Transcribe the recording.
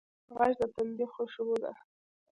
غږ د تندي خوشبو ده